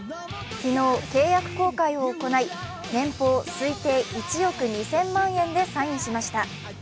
昨日、契約更改を行い年俸推定１億２０００万円でサインしました。